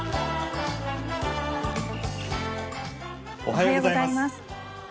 おはようございます。